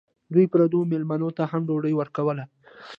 دوی پردو مېلمنو ته هم ډوډۍ ورکوله.